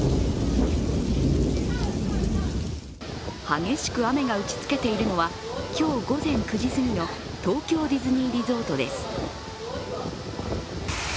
激しく雨が打ち付けているのは今日午前９時すぎの東京ディズニーリゾートです。